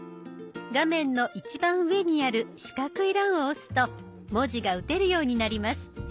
画面の一番上にある四角い欄を押すと文字が打てるようになります。